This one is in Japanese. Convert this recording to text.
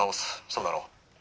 そうだろ？」。